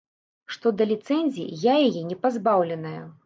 Што да ліцэнзіі, я яе не пазбаўленая.